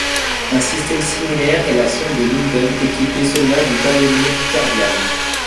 Un système similaire est la sonde de Linton, équipée seulement du ballonnet cardial.